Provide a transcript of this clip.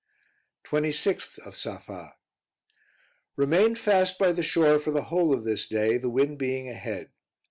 26th of Safa. Remained fast by the shore for the whole of this day, the wind being ahead.